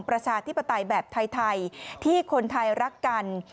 ประชาธิปไตยแบบไทยที่คนไทยรักกัน